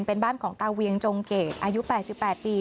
เป็นบ้านของตาเวียงจงเกตอายุ๘๘ปี